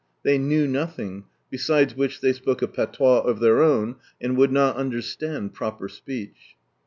They knew nothing, besides which they spoke a patois of their own, and would not understand proper speech.